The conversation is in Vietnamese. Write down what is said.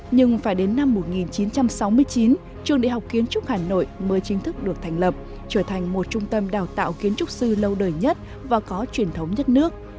nhưng phải đến năm một nghìn chín trăm sáu mươi chín trường đại học kiến trúc hà nội mới chính thức được thành lập trở thành một trung tâm đào tạo kiến trúc sư lâu đời nhất và có truyền thống nhất nước